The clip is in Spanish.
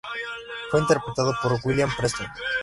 Fue interpretado por William Preston.